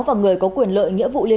và người có quyền lợi